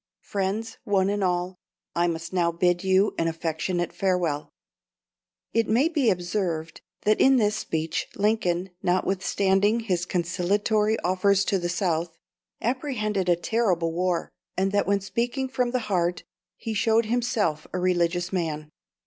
Friends, one and all, I must now bid you an affectionate farewell." It may be observed that in this speech Lincoln, notwithstanding his conciliatory offers to the South, apprehended a terrible war, and that when speaking from the heart he showed himself a religious man.